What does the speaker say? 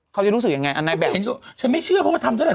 เขาจะรู้สึกยังไงอันไหนแบบนี้ฉันไม่เชื่อเพราะว่าทำเท่าไ